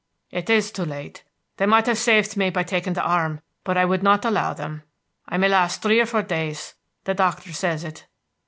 "It is too late. They might have saved me by taking the arm, but I would not allow them. I may last three or four days. The doctor says it."